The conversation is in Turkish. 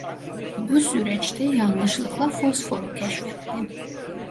Bu süreçte yanlışlıkla fosforu keşfetti.